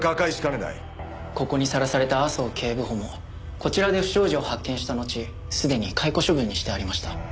ここにさらされた麻生警部補もこちらで不祥事を発見したのちすでに解雇処分にしてありました。